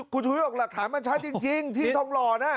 คุณชูวิทย์บอกหลักถ่ายมันชัดจริงที่ทองรอนะ